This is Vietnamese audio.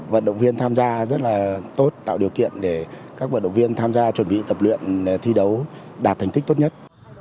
vận động viên tham gia rất là tốt tạo điều kiện để các vận động viên tham gia chuẩn bị tập luyện thi đấu đạt thành tích tốt nhất